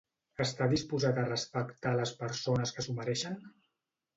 Està disposat a respectar a les persones que s'ho mereixen?